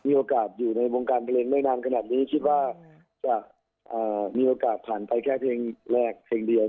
โอกาสอยู่ในวงการเพลงได้นานขนาดนี้คิดว่าจะมีโอกาสผ่านไปแค่เพลงแรกเพลงเดียว